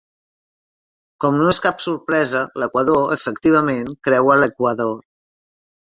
Com no és cap sorpresa, l'equador efectivament creua l'Equador.